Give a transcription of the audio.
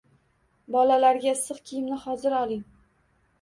Bolalarga issiq kiyimni hozir oling